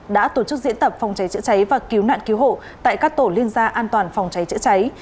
đã tổ chức diễn tập phòng cháy chữa cháy và cứu nạn cứu hộ tại các tổ liên gia an toàn phòng cháy chữa cháy